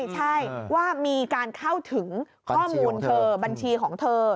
ใช่ว่ามีการเข้าถึงข้อมูลเธอบัญชีของเธอ